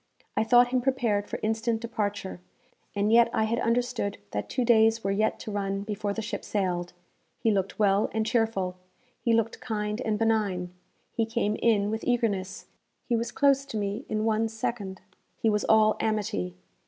I thought him prepared for instant departure, and yet I had understood that two days were yet to run before the ship sailed. He looked well and cheerful. He looked kind and benign. He came in with eagerness; he was close to me in one second; he was all amity.